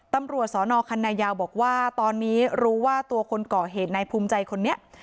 ตำรวจสนคันนายาวบอกว่าตอนนี้รู้ว่าตัวคนก่อเหตุนายภูมิใจคนนี้